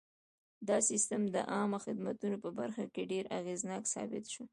دا سیستم د عامه خدمتونو په برخه کې ډېر اغېزناک ثابت شو.